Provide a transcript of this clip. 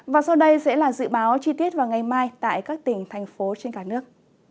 và sau đây sẽ là dự báo chi tiết vào ngày mai tại các tỉnh thành phố trên cả nước